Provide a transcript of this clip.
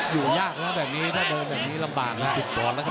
อยู่ยากแล้วแบบนี้ถ้าโดนแบบนี้ลำบากนะครับ